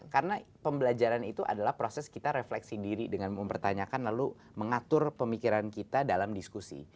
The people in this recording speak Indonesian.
karena pembelajaran itu adalah proses kita refleksi diri dengan mempertanyakan lalu mengatur pemikiran kita dalam diskusi